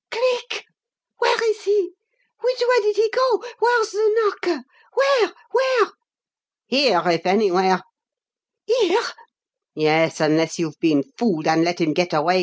Cleek? Where is he? Which way did he go? Where's the narker where where?" "Here, if anywhere!" "Here?" "Yes unless you've been fooled, and let him get away.